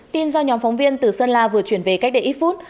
tin do nhóm phóng viên từ sơn la vừa chuyển về cách đây ít phút